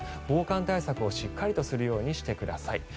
防寒対策をしっかりとするようにしてください。